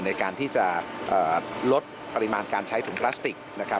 ในการที่จะลดปริมาณการใช้ถุงพลาสติกนะครับ